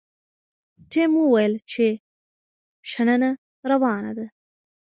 ټیم وویل چې شننه روانه ده.